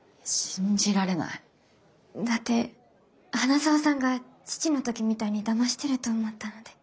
だって花澤さんが父の時みたいにだましてると思ったので。